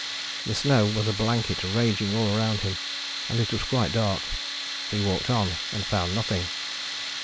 The snow was a blanket raging all round him, and it was quite dark. He walked on, and found nothing.